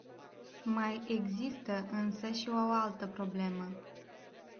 Mai există însă și o altă problemă.